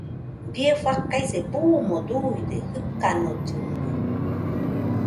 Bie faikase buuno duide jɨkanollɨnua.